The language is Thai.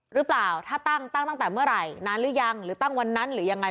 หรือเปล่าถ้าตั้งตั้งตั้งแต่เมื่อไหร่นานหรือยังหรือตั้งวันนั้นหรือยังไง